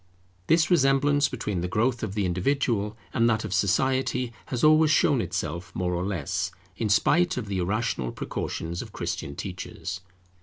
This resemblance between the growth of the individual and that of society has always shown itself more or less, in spite of the irrational precautions of Christian teachers.